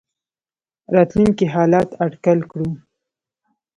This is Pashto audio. راتلونکي حالات اټکل کړو.